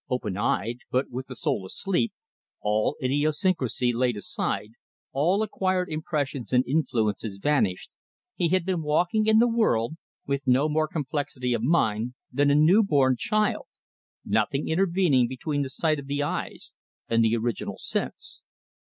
Open eyed, but with the soul asleep, all idiosyncrasy laid aside, all acquired impressions and influences vanished, he had been walking in the world with no more complexity of mind than a new born child, nothing intervening between the sight of the eyes and the original sense.